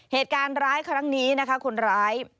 เหตุการณ์ร้ายครั้งนี้นะคะคนร้าย